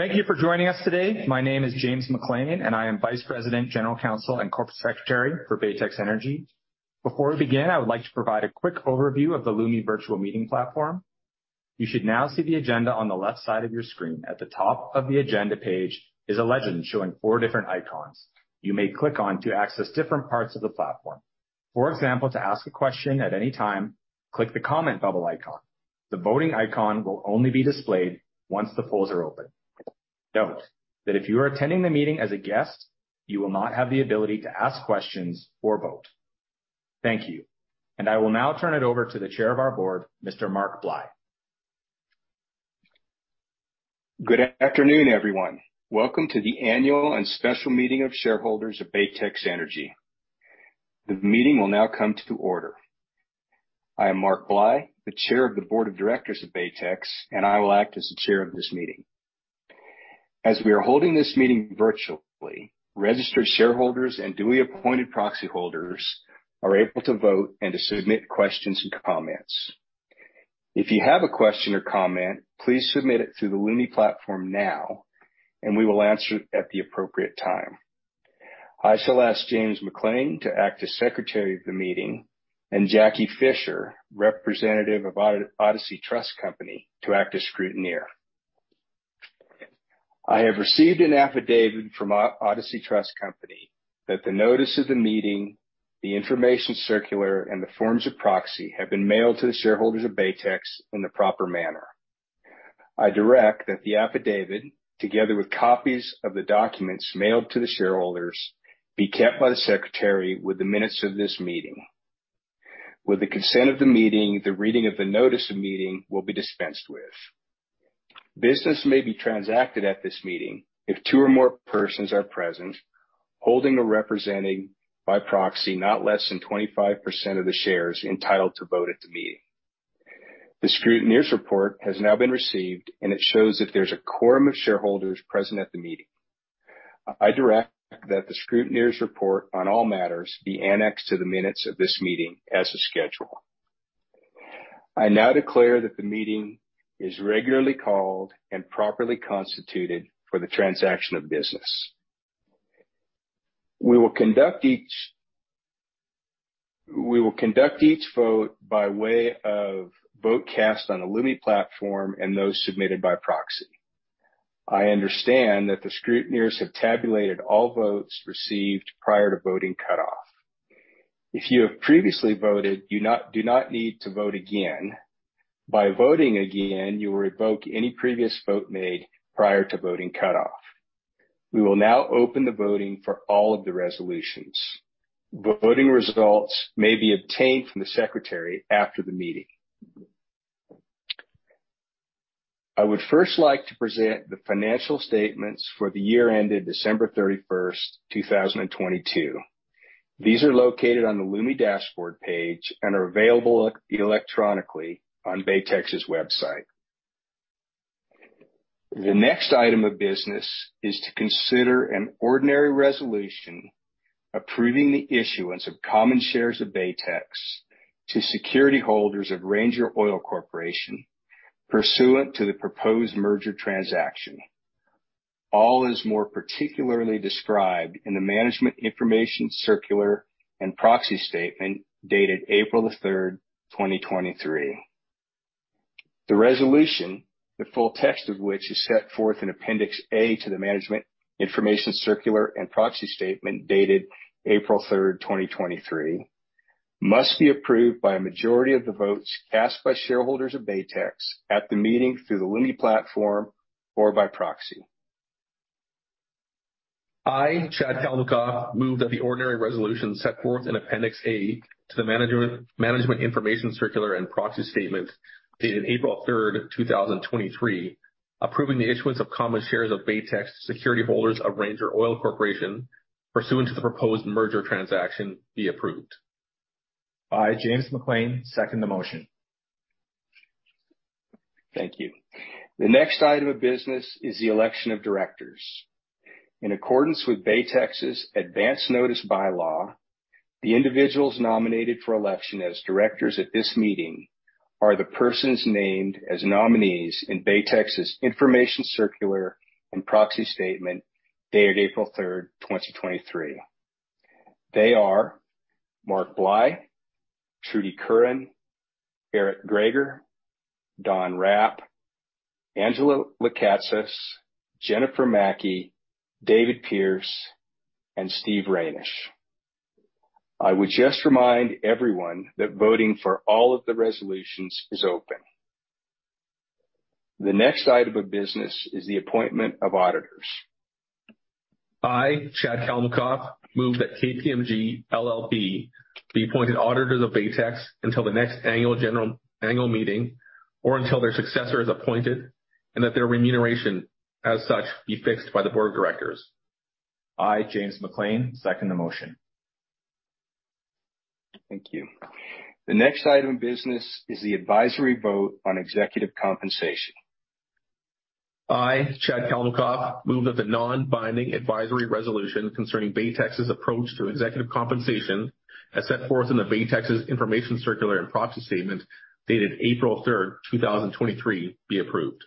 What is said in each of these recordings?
Thank you for joining us today. My name is James Maclean, and I am Vice President, General Counsel, and Corporate Secretary for Baytex Energy. Before we begin, I would like to provide a quick overview of the Lumi Virtual Meeting Platform. You should now see the agenda on the left side of your screen. At the top of the agenda page is a legend showing four different icons you may click on to access different parts of the platform. For example, to ask a question at any time, click the comment bubble icon. The voting icon will only be displayed once the polls are open. Note that if you are attending the meeting as a guest, you will not have the ability to ask questions or vote. Thank you, and I will now turn it over to the Chair of our Board, Mr. Mark Bly. Good afternoon, everyone. Welcome to the annual and special meeting of shareholders of Baytex Energy. The meeting will now come to order. I am Mark Bly, the Chair of the Board of Directors of Baytex, and I will act as the Chair of this meeting. As we are holding this meeting virtually, registered shareholders and duly appointed proxy holders are able to vote and to submit questions and comments. If you have a question or comment, please submit it through the Lumi platform now, and we will answer at the appropriate time. I shall ask James Maclean to act as Secretary of the Meeting and Jackie Fisher, Representative of Odyssey Trust Company, to act as Scrutineer. I have received an affidavit from Odyssey Trust Company that the notice of the meeting, the information circular, and the forms of proxy have been mailed to the shareholders of Baytex in the proper manner. I direct that the affidavit, together with copies of the documents mailed to the shareholders, be kept by the Secretary with the minutes of this meeting. With the consent of the meeting, the reading of the notice of meeting will be dispensed with. Business may be transacted at this meeting if two or more persons are present, holding or representing by proxy not less than 25% of the shares entitled to vote at the meeting. The Scrutineer's report has now been received, and it shows that there's a quorum of shareholders present at the meeting. I direct that the Scrutineer's report on all matters be annexed to the minutes of this meeting as a schedule. I now declare that the meeting is regularly called and properly constituted for the transaction of business. We will conduct each vote by way of vote cast on the Lumi platform and those submitted by proxy. I understand that the Scrutineers have tabulated all votes received prior to voting cutoff. If you have previously voted, you do not need to vote again. By voting again, you will revoke any previous vote made prior to voting cutoff. We will now open the voting for all of the resolutions. Voting results may be obtained from the Secretary after the meeting. I would first like to present the financial statements for the year ended December 31st, 2022. These are located on the Lumi dashboard page and are available electronically on Baytex's website. The next item of business is to consider an ordinary resolution approving the issuance of common shares of Baytex to security holders of Ranger Oil Corporation pursuant to the proposed merger transaction. As is more particularly described in the management information circular and proxy statement dated April the 3rd, 2023. The resolution, the full text of which is set forth in Appendix A to the management information circular and proxy statement dated April 3rd, 2023, must be approved by a majority of the votes cast by shareholders of Baytex at the meeting through the Lumi platform or by proxy. I, Chad Kalmakoff, moved that the ordinary resolution set forth in Appendix A to the management information circular and proxy statement dated April 3rd, 2023, approving the issuance of common shares of Baytex to security holders of Ranger Oil Corporation pursuant to the proposed merger transaction be approved. I, James Maclean, second the motion. Thank you. The next item of business is the election of directors. In accordance with Baytex's advance notice by-law, the individuals nominated for election as directors at this meeting are the persons named as nominees in Baytex's information circular and proxy statement dated April 3rd, 2023. They are Mark Bly, Trudy Curran, Eric Greager, Don Hrap, Angela Lekatsas, Jennifer Maki, David Pearce, and Steve Reynish. I would just remind everyone that voting for all of the resolutions is open. The next item of business is the appointment of auditors. I, Chad Kalmakoff, moved that KPMG LLP be appointed auditors of Baytex until the next annual general meeting or until their successor is appointed and that their remuneration as such be fixed by the Board of Directors. I, James Maclean, second the motion. Thank you. The next item of business is the advisory vote on executive compensation. I, Chad Kalmakoff, moved that the non-binding advisory resolution concerning Baytex's approach to executive compensation as set forth in the Baytex's Information Circular and proxy statement dated April 3rd, 2023, be approved.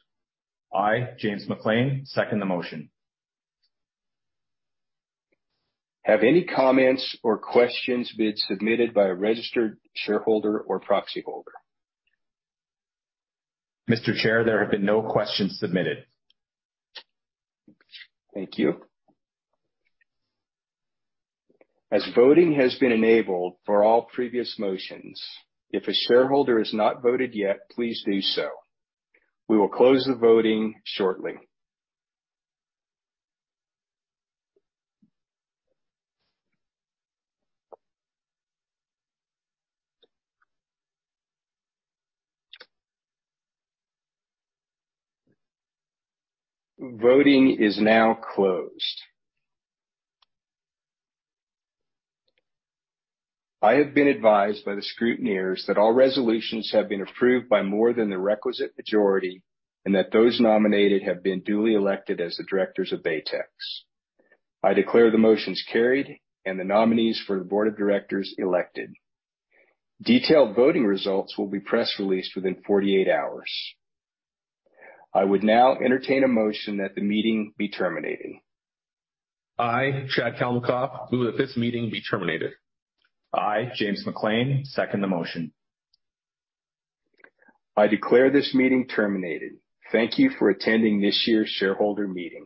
I, James Maclean, second the motion. Have any comments or questions been submitted by a registered shareholder or proxy holder? Mr. Chair, there have been no questions submitted. Thank you. As voting has been enabled for all previous motions, if a shareholder has not voted yet, please do so. We will close the voting shortly. Voting is now closed. I have been advised by the Scrutineers that all resolutions have been approved by more than the requisite majority and that those nominated have been duly elected as the directors of Baytex. I declare the motions carried and the nominees for the Board of Directors elected. Detailed voting results will be press released within 48 hours. I would now entertain a motion that the meeting be terminated. I, Chad Kalmakoff, move that this meeting be terminated. I, James Maclean, second the motion. I declare this meeting terminated. Thank you for attending this year's shareholder meeting.